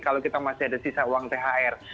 kalau kita masih ada sisa uang thr